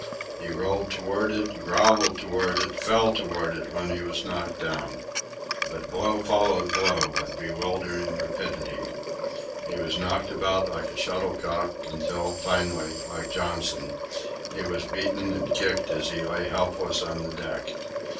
He rolled toward it, grovelled toward it, fell toward it when he was knocked down. But blow followed blow with bewildering rapidity. He was knocked about like a shuttlecock, until, finally, like Johnson, he was beaten and kicked as he lay helpless on the deck.